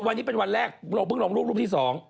วันนี้เป็นวันแรกเราเพิ่งลงรูปรูปที่๒